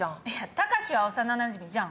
タカシは幼なじみじゃん。